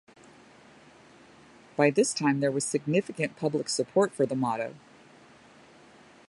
By this time, there was significant public support for the motto.